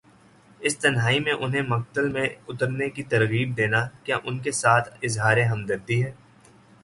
اس تنہائی میں انہیں مقتل میں اترنے کی ترغیب دینا، کیا ان کے ساتھ اظہار ہمدردی ہے؟